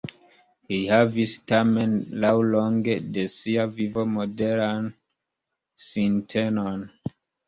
Li havis tamen laŭlonge de sia vivo moderan sintenon.